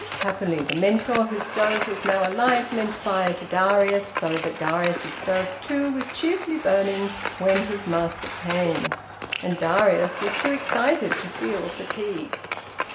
Happily the mentor, whose stove was now alight, lent fire to Darius, so that Darius's stove too was cheerfully burning when his master came. And Darius was too excited to feel fatigue.